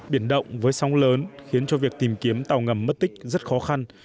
biển động với sóng lớn khiến cho việc tìm kiếm tàu ngầm mất tích rất khó khăn